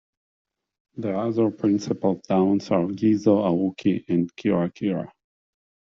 The other principal towns are Gizo, Auki, and Kirakira.